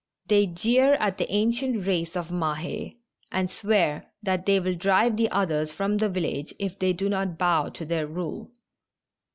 They jeer at the ancient race of Mah^, and swear that they will drive the others from the village if they do not bow to their rule.